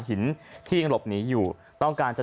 เสียงของหนึ่งในผู้ต้องหานะครับ